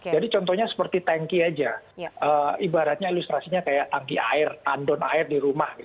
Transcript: jadi contohnya seperti tanki aja ibaratnya ilustrasinya kayak tanki air tandon air di rumah